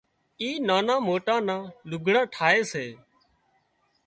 آي نانان موٽان نان لُگھڙان ٺاهي سي